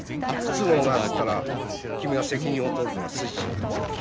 不都合があったら君が責任を取るのが筋じゃないか。